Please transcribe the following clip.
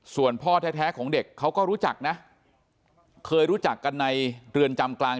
ส่วนพ่อแท้ของเด็กเขาก็รู้จักนะเคยรู้จักกันในเรือนจำกลาง